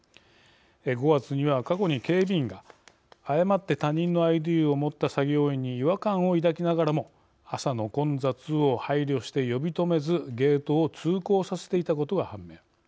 ５月には過去に警備員が誤って他人のＩＤを持った作業員に違和感を抱きながらも朝の混雑を配慮して呼び止めずゲートを通行させていたことが判明。